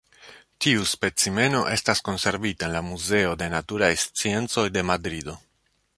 Tiu specimeno estas konservita en la Muzeo de Naturaj Sciencoj de Madrido.